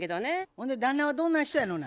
ほんで旦那はどんな人やのな？